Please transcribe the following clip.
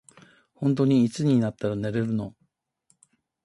ほんとにいつになったら寝れるの。